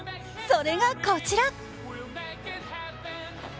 それがこちら。